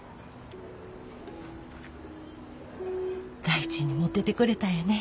大事に持っててくれたんやね。